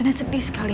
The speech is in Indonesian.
dan sedih sekali